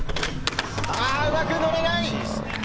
うまく乗れない。